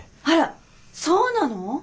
あらそうなの？